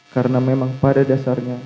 karena memang pada dasarnya